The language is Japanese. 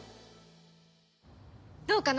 どうかな？